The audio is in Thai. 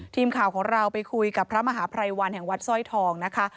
ทีมข่าวของเราไปคุยกับพระมหาภัยวันแห่งวัดสร้อยทองนะคะ